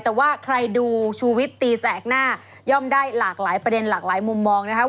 แต่ว่าใครดูชูวิตตีแสกหน้าย่อมได้หลากหลายประเด็นหลากหลายมุมมองนะครับ